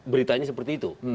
beritanya seperti itu